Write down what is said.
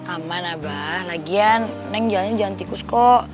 aman abah lagian neng jalannya jalan tikus kok